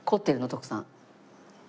徳さん。